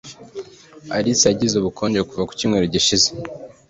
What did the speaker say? Alice yagize ubukonje kuva ku cyumweru gishize